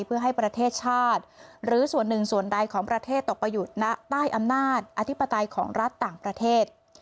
เพื่อให้ประเทศชาติหรือส่วนหนึ่งส่วนใดของประเทศตกไปอยู่ณใต้อำนาจอธิปไตยของรัฐต่างประเทศ